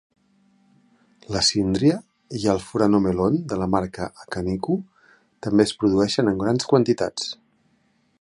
La síndria i el "Furano Melon" de la marca Akaniku també es produeixen en grans quantitats.